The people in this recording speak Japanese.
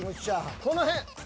この辺。